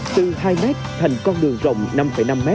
từ hai m thành con đường rộng năm năm m